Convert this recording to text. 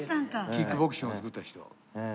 キックボクシングを作った人。